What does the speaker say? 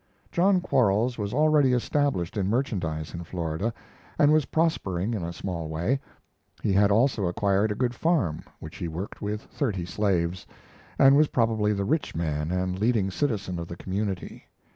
John Quarles was already established in merchandise in Florida, and was prospering in a small way. He had also acquired a good farm, which he worked with thirty slaves, and was probably the rich man and leading citizen of the community.